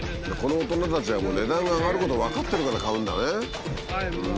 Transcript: この大人たちは値段が上がることを分かってるから買うんだね。